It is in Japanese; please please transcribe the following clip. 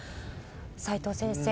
齋藤先生